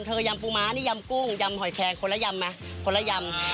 ยำปูม้านี่ยำกุ้งยำหอยแคงคนละยำไหมคนละยำ